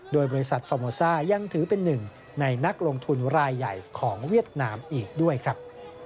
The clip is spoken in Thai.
โดยบริษัทฟอร์โมซ่ายังถือเป็นหนึ่งในนักลงทุนรายใหญ่ของเวียดนามอีกด้วยครับ